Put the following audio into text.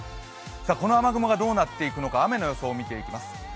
この雨雲がどうなっていくのか雨の予想を見ていきます。